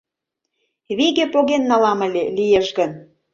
Виге поген налам ыле, лиеш гын...